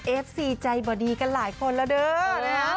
เอฟซีใจบ่ดีกันหลายคนแล้วเด้อนะครับ